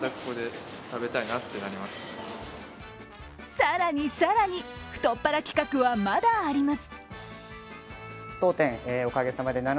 更に更に、太っ腹企画はまだあります。